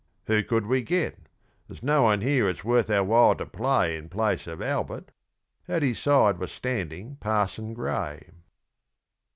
"Who could we get? There's no one here it's worth our while to play In place of Albert." At his side was standing Parson Grey.